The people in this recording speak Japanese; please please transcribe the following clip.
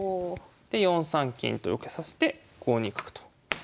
で４三金と受けさせて５二角と。